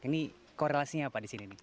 ini korelasinya apa di sini